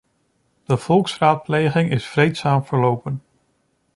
De volksraadpleging is vreedzaam verlopen.